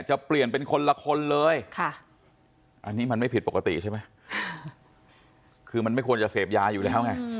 จะเปลี่ยนเป็นคนละคนเลยอันนี้มันไม่ผิดปกติใช่ไหมคือมันไม่ควรจะเสพยาอยู่แล้วไง